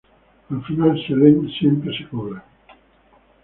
Al final Selene siempre se cobra.